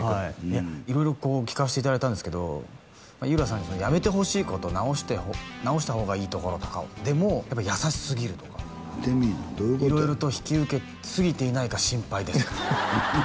色々こう聞かせていただいたんですけど井浦さんにやめてほしいこと直した方がいいところとかでもやっぱ優しすぎるとかみてみいなどういうことや「色々と引き受けすぎていないか心配です」